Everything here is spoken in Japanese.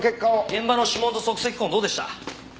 現場の指紋と足跡痕どうでした？